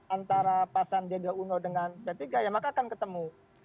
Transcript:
antara pak sandiaga uno dengan pak sandiaga p tiga maka akan ketemu